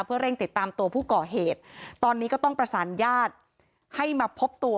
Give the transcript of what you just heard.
เพื่อเร่งติดตามตัวผู้ก่อเหตุตอนนี้ก็ต้องประสานญาติให้มาพบตัว